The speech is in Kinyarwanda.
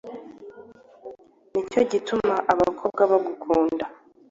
Ni cyo gituma abakobwa bagukunda.